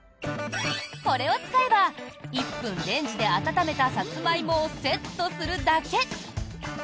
これを使えば１分レンジで温めたサツマイモをセットするだけ。